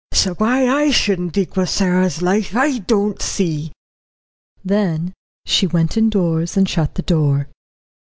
So why I shouldn't equal Sarah's life I don't see." Then she went indoors and shut the door.